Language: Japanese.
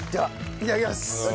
いただきます！